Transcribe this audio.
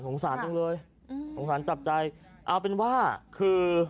สารจังเลยอืมสงสารจับใจเอาเป็นว่าคือ